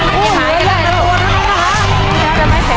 ครอบครัวของแม่ปุ้ยจังหวัดสะแก้วนะครับ